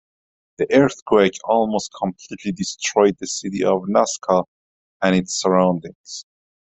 The earthquake almost completely destroyed the city of Nasca and its surroundings.